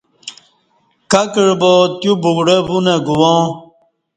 کہ کعبا تیو بگڑ ہ وو نہ گواں